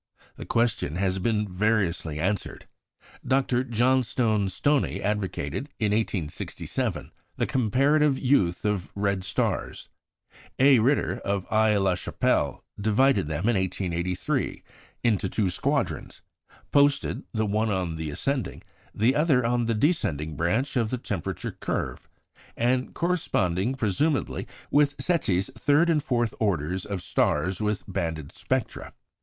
The question has been variously answered. Dr. Johnstone Stoney advocated, in 1867, the comparative youth of red stars; A. Ritter, of Aix la Chapelle, divided them, in 1883, into two squadrons, posted, the one on the ascending, the other on the descending branch of the temperature curve, and corresponding, presumably, with Secchi's third and fourth orders of stars with banded spectra.